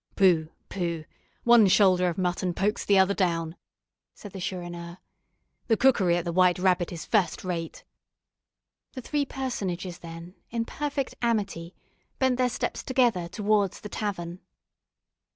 "Pooh! pooh! one shoulder of mutton pokes the other down," said the Chourineur; "the cookery at the White Rabbit is first rate." The three personages then, in perfect amity, bent their steps together towards the tavern.